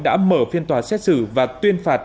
đã mở phiên tòa xét xử và tuyên phạt